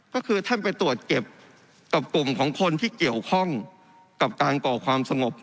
ก็คือท่านไปตรวจเก็บกับกลุ่มของคนที่เกี่ยวข้องกับการก่อความสงบ